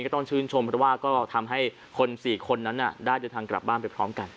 ก็ต้องชื่นชมเพราะว่าก็ทำให้คน๔คนนั้นได้เดินทางกลับบ้านไปพร้อมกัน